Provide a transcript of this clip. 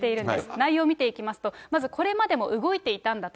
内容を見ていきますと、まずこれまでも動いていたんだと。